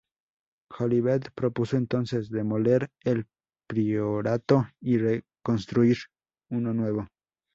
Jolivet propuso entonces demoler el priorato y reconstruir uno nuevo.